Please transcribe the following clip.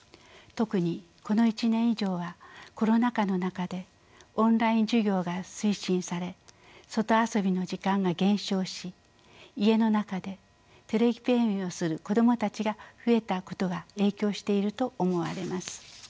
特にこの１年以上はコロナ禍の中でオンライン授業が推進され外遊びの時間が減少し家の中でテレビゲームをする子どもたちが増えたことが影響していると思われます。